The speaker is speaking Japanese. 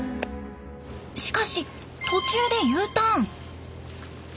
しかし途中でＵターン。